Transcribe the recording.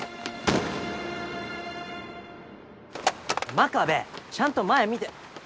真壁ちゃんと前見て。